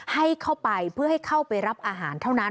ให้เข้าไปเพื่อให้เข้าไปรับอาหารเท่านั้น